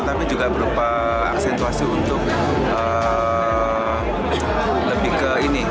tapi juga berupa aksentuasi untuk lebih ke ini